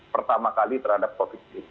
pertama kali terhadap covid sembilan belas